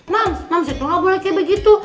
mams mams itu nggak boleh kayak begitu